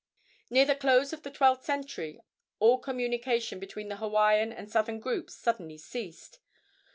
Near the close of the twelfth century all communication between the Hawaiian and southern groups suddenly ceased.